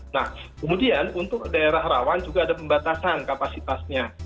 nah kemudian untuk daerah rawan juga ada pembatasan kapasitasnya